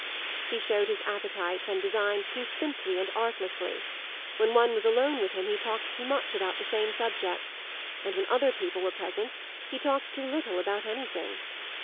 He showed his appetites and designs too simply and artlessly; when one was alone with him he talked too much about the same subject, and when other people were present he talked too little about anything.